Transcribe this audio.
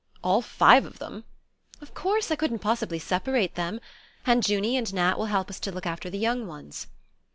"All five of them?" "Of course I couldn't possibly separate them. And Junie and Nat will help us to look after the young ones."